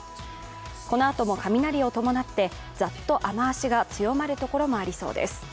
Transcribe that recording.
このあとも雷を伴ってザッと雨足が強まる所もありそうです。